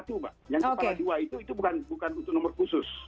yang kepala dua itu bukan untuk nomor khusus